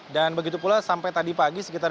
dan begitu pula sampai tadi pagi sekitar